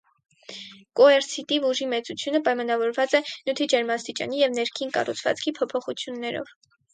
Կոերցիտիվ ուժի մեծությունը պայմանավորված է նյութի ջերմաստիճանի և ներքին կառուցվածքի փոփոխություններով։